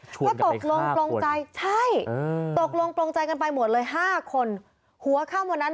ชวนกับไอ้๕คนใช่ตกลงปรงใจกันไปหมดเลย๕คนหัวข้าวมันนั้น